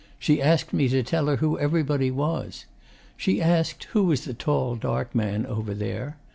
She asked me to tell her who everybody was. She asked who was the tall, dark man, over there.